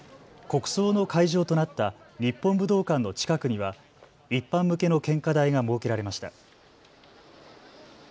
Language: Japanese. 国葬の会場となった日本武道館の近くには一般向けの献花台が設けられました。